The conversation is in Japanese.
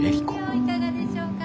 いかがでしょうか。